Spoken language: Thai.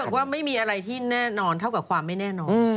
ว่าไม่มีอะไรที่แน่นอนเท่ากับความไม่แน่นอน